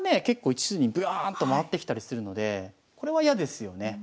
結構一筋にブワーッと回ってきたりするのでこれは嫌ですよね。